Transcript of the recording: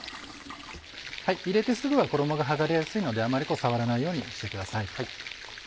入れてすぐは衣が剥がれやすいのであんまり触らないようにしてください。